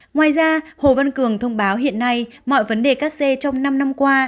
ngoài ra hồ văn cường thông báo hiện nay mọi vấn đề cắt xe trong năm năm qua